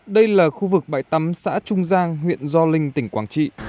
đây là khu vực bãi tắm xã trung giang huyện gio linh tỉnh quảng trị